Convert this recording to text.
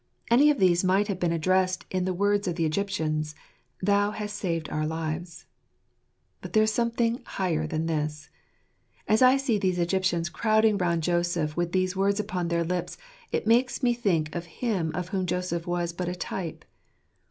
Any of these might have been addressed in the words of the Egyptians :" Thou hast saved our lives." But there is something higher than this. As I see these Egyptians crowding round Joseph with these words upon their lips, it makes me think of Him of whom Joseph was but a type.